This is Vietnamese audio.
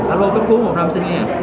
alo cấp cứu một trăm một mươi năm xin nghe